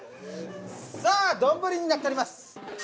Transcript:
さあ丼になっております。